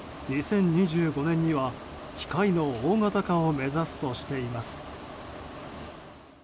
２０２５年には機械の大型化を目指すとしています。